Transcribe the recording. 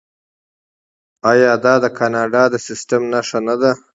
آیا دا د کاناډا د سیستم نښه نه ده؟